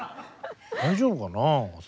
大丈夫かな？